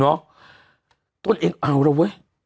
เนอะต้นเองเอาละเว้ย